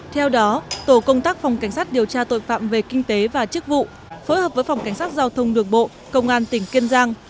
theo đó tổ công tác phòng cảnh sát điều tra tội phạm về kinh tế và chức vụ phối hợp với phòng cảnh sát giao thông đường bộ công an tỉnh kiên giang